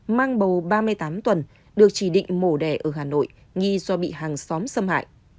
mang bầu ba mươi tám tuần được chỉ định mổ đẻ ở hà nội nghi do bị hàng xóm xâm hại